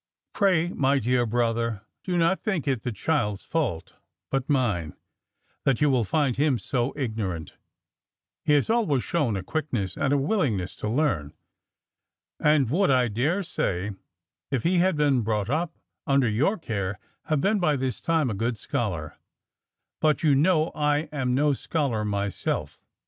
"Pray, my dear brother, do not think it the child's fault, but mine, that you will find him so ignorant he has always shown a quickness and a willingness to learn, and would, I dare say, if he had been brought up under your care, have been by this time a good scholar, but you know I am no scholar myself.